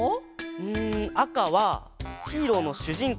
うんあかはヒーローのしゅじん